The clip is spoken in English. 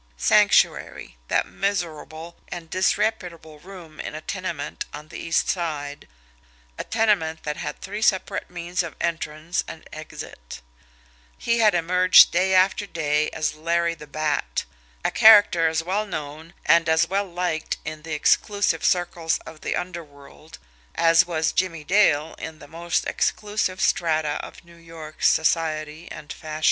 From the Sanctuary, that miserable and disreputable room in a tenement on the East Side, a tenement that had three separate means of entrance and exit, he had emerged day after day as Larry the Bat, a character as well known and as well liked in the exclusive circles of the underworld as was Jimmie Dale in the most exclusive strata of New York's society and fashion.